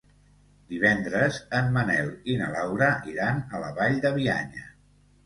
Divendres en Manel i na Laura iran a la Vall de Bianya.